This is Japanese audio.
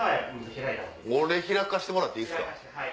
開かしてもらっていいですか。